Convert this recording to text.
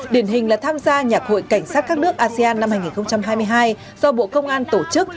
điển hình là tham gia nhạc hội cảnh sát các nước asean năm hai nghìn hai mươi hai do bộ công an tổ chức